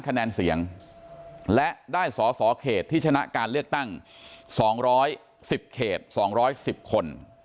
คะแนนเสียงและได้สอสอเขตที่ชนะการเลือกตั้ง๒๑๐เขต๒๑๐คน